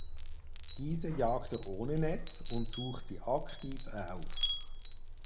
Diese jagt er ohne Netz und sucht sie aktiv auf.